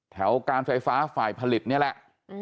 การไฟฟ้าฝ่ายผลิตนี่แหละ